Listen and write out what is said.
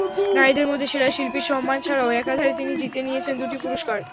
নারীদের মধ্যে সেরা শিল্পীর সম্মান ছাড়াও একাধারে তিনি জিতে নিয়েছেন দুটি পুরস্কার।